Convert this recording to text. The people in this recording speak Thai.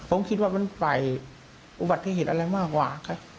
ผมคิดว่ามันฝ่ายอุบัติศิษฐ์อะไรมากกว่า